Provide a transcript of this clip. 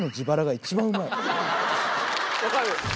分かる。